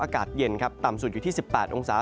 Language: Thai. อากาศเย็นครับต่ำสุดอยู่ที่๑๘องศา